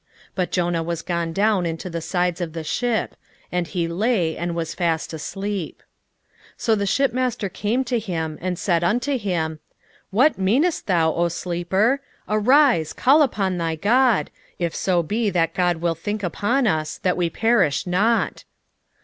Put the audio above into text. But Jonah was gone down into the sides of the ship; and he lay, and was fast asleep. 1:6 So the shipmaster came to him, and said unto him, What meanest thou, O sleeper? arise, call upon thy God, if so be that God will think upon us, that we perish not.